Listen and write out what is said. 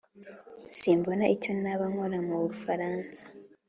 simbona icyo naba nkora mu bufaransa.